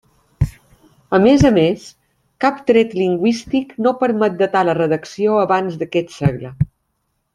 A més a més, cap tret lingüístic no permet datar la redacció abans d'aquest segle.